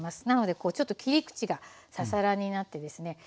なのでちょっと切り口がささらになってですね